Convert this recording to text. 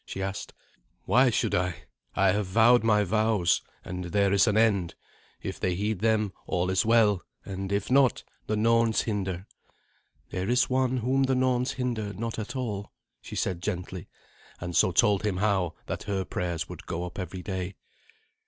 she asked. "Why should I? I have vowed my vows, and there is an end. If they heed them, all is well; and if not, the Norns hinder." "There is One whom the Norns hinder not at all," she said gently, and so told him how that her prayers would go up every day.